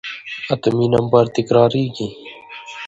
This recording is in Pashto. اتومي نمبر تکرارېږي.